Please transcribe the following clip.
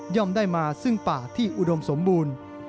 ได้มาซึ่งป่าที่อุดมสมบูรณ์